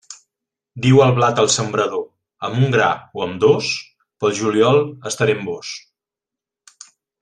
Diu el blat al sembrador: amb un gra o amb dos, pel juliol estaré amb vós.